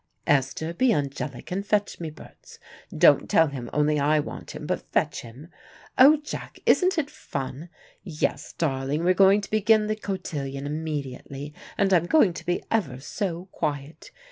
Esther, be angelic and fetch me Berts. Don't tell him only I want him, but fetch him. Oh, Jack, isn't it fun: yes, darling, we're going to begin the cotillion immediately, and I'm going to be ever so quiet.